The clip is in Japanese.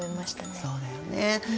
うんそうだよね。